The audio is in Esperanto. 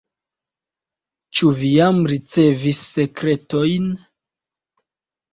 Ĉu vi jam ricevis sekretojn?